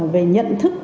về nhận thức